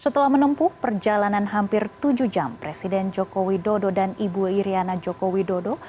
setelah menempuh perjalanan hampir tujuh jam presiden jokowi dodo dan ibu iryana jokowi dodo